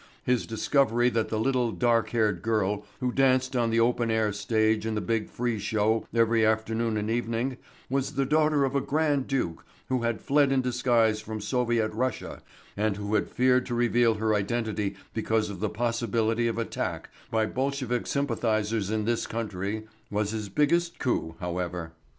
His discovery that the little dark haired girl who danced on the open air stage in the big free show every afternoon and evening was the daughter of a grand duke who had fled in disguise from Soviet Russia and who had feared to reveal her identity because of the possibility of attack by Bolshevik sympathizers in this country was his biggest coup, however.